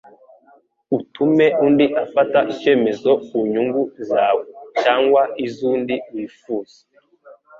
utume undi afata ikemezo ku nyungu zawe, cyangwa iz'undi wifuza.